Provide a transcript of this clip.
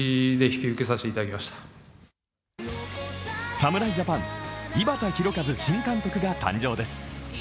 侍ジャパン・井端弘和新監督が誕生です。